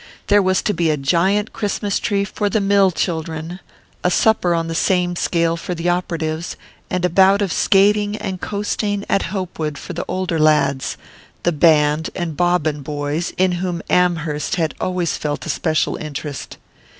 There was to be a giant Christmas tree for the mill children, a supper on the same scale for the operatives, and a bout of skating and coasting at Hopewood for the older lads the "band" and "bobbin" boys in whom Amherst had always felt a special interest.